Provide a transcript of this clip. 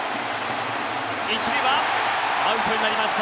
１塁はアウトになりました